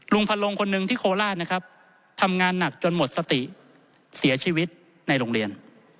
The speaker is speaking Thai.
พัดลงคนหนึ่งที่โคราชนะครับทำงานหนักจนหมดสติเสียชีวิตในโรงเรียน